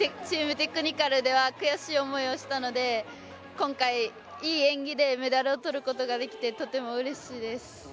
テクニカルでは悔しい思いをしたので今回、いい演技でメダルをとることができてとてもうれしいです。